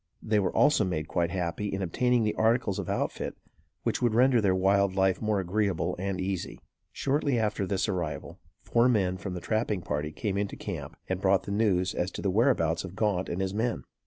They were also made quite happy in obtaining the articles of outfit which would render their wild life more agreeable and easy. Shortly after this arrival, four men from the trapping party came into camp and brought the news as to the whereabouts of Gaunt and his men.